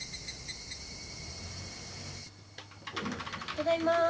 ただいま。